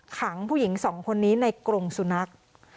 ขังผู้หญิงสองคนนี้ในกรงสุนัข